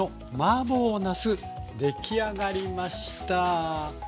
出来上がりました。